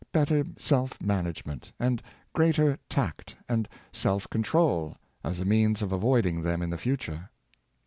627 better self management, and greater tact and self con trol, as a means of avoiding them in the future.